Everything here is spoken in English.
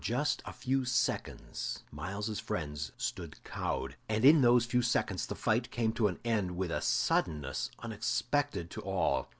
For just a few seconds Myles's friends stood cowed, and in those few seconds the fight came to an end with a suddenness unexpected to all.